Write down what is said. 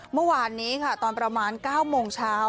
เมื่อวานนี้ค่ะตอนประมาณ๙โมงเช้า